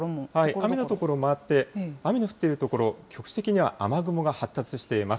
雨の所もあって、雨の降っている所、局地的には雨雲が発達しています。